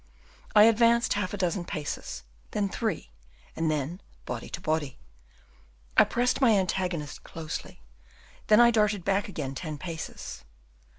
I advanced half a dozen paces, then three, and then, body to body, I pressed my antagonist closely, then I darted back again ten paces.